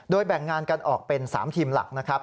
แบ่งงานกันออกเป็น๓ทีมหลักนะครับ